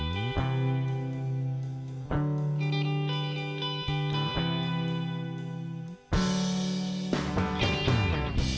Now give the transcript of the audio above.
sudah sampai corak